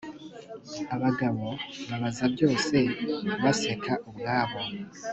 abagabo babaza byose baseka ubwabo